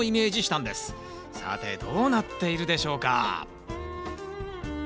さてどうなっているでしょうか？